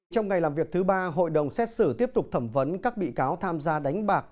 trong ngày làm việc thứ ba hội đồng xét xử tiếp tục thẩm vấn các bị cáo tham gia đánh bạc